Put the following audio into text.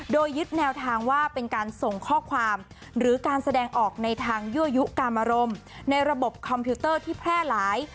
โดยยึดแนวทางว่าเป็นการส่งข้อความหรือการแสดงออกในทางยั่วยุกามอารมณ์ในระบบคอมพิวเตอร์ที่แพร่หลาย